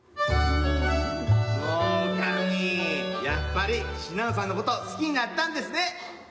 やっぱり信濃さんのこと好きになったんですね。